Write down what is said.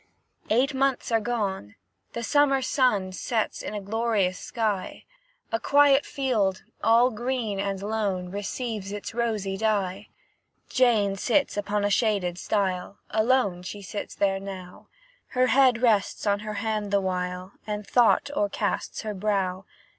Eight months are gone, the summer sun Sets in a glorious sky; A quiet field, all green and lone, Receives its rosy dye. Jane sits upon a shaded stile, Alone she sits there now; Her head rests on her hand the while, And thought o'ercasts her brow.